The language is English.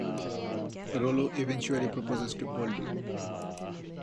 Rollo eventually proposes to Goldie.